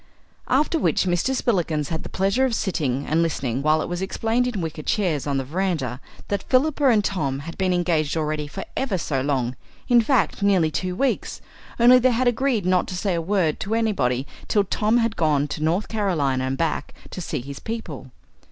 After which Mr. Spillikins had the pleasure of sitting and listening while it was explained in wicker chairs on the verandah, that Philippa and Tom had been engaged already for ever so long in fact, nearly two weeks, only they had agreed not to say a word to anybody till Tom had gone to North Carolina and back, to see his people.